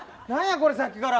これさっきから。